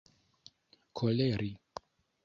koleri